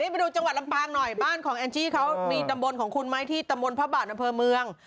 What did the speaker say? ไปดูจังหวัดลำปางหน่อยบ้านของแอนจี้เขามีตำบลของคุณไหมที่ตำบลพระบาทอำเภอเมือง